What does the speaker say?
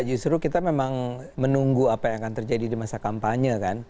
justru kita memang menunggu apa yang akan terjadi di masa kampanye kan